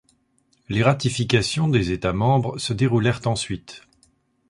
Les ratifications des États membres se déroulèrent ensuite.